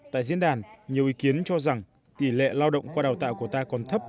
tại diễn đàn nhiều ý kiến cho rằng tỷ lệ lao động qua đào tạo của ta còn thấp